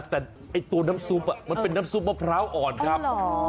แต่ตัวน้ำซุปมันเป็นน้ำซุปมะพร้าวอ่อนครับ